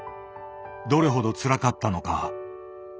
どれほどつらかったのか。